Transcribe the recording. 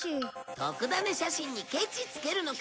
特ダネ写真にケチつけるのか？